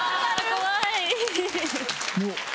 怖い！